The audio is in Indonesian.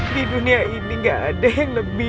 di dunia ini gak ada yang lebih